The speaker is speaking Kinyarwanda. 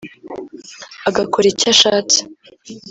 agakora icyo ashatse